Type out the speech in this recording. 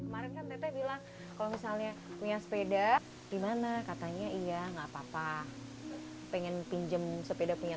misalnya punya sepeda gimana katanya iya nggak papa pengen pinjem sepeda punya